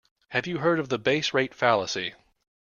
Have you heard of the base rate fallacy?